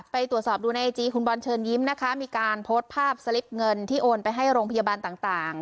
ไปตรวจสอบดูในไอจีคุณบอลเชิญยิ้มนะคะมีการโพสต์ภาพสลิปเงินที่โอนไปให้โรงพยาบาลต่าง